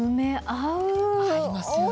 合いますよね。